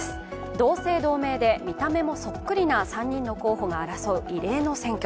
同姓同名で見た目もそっくりな３人の候補が争う異例の選挙。